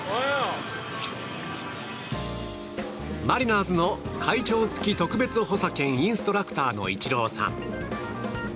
マリナーズの会長付特別補佐兼インストラクターのイチローさん。